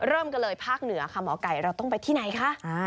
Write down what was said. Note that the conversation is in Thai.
เริ่มกันเลยภาคเหนือค่ะหมอไก่เราต้องไปที่ไหนคะ